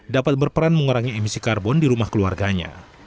dapat berperan mengurangi emisi karbon di rumah keluarganya